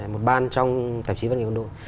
một ban trong tạp chí văn nghệ quân đội